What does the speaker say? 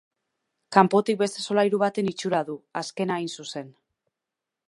Kanpotik beste solairu baten itxura du, azkena hain zuzen.